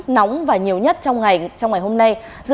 nóng và nhiều nhất trong ngày hôm nay